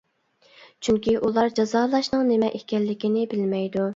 چۈنكى ئۇلار جازالاشنىڭ نېمە ئىكەنلىكىنى بىلمەيدۇ.